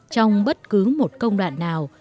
trong bất cứ một công đoạn nào